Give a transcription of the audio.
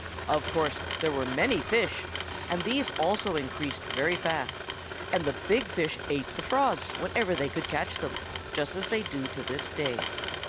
"Of course there were many fish, and these also increased very fast, and the big fish ate the Frogs whenever they could catch them, just as they do to this day.